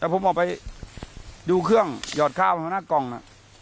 แต่ผมออกไปดูเครื่องหยอดข้าวของหน้ากล่องน่ะ